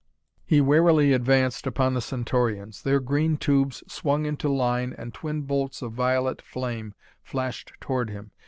He warily advanced upon the Centaurians. Their green tubes swung into line and twin bolts of violet flame flashed toward him.